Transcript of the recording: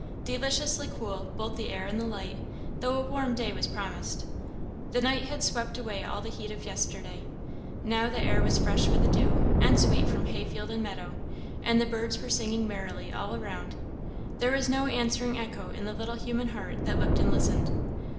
Deliciously cool, both the air and the light, though a warm day was promised. The night had swept away all the heat of yesterday. Now, the air was fresh with the dew, and sweet from hayfield and meadow; and the birds were singing merrily all around. There was no answering echo in the little human heart that looked and listened.